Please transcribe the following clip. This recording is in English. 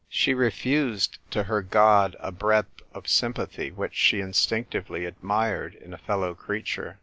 She refused to her God a breadth of sympathy which she instinctively admired in a fellow creature.